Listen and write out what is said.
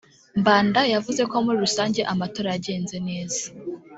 Mbanda yavuze ko muri rusange amatora yagenze neza